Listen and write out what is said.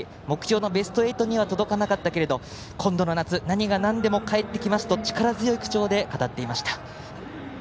目標のベスト８には届かなかったけれど今度の夏、何がなんでも帰ってきますと力強い口調で語っていました。